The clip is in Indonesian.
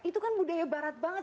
itu kan budaya barat banget